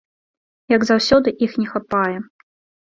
Як заўсёды, іх не хапае.